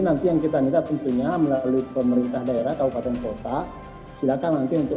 nanti yang kita minta tentunya melalui pemerintah daerah kabupaten kota silakan nanti untuk